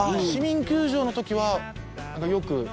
市民球場のときはよく？